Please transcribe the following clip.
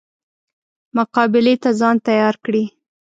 مقابلې ته ځان تیار کړي.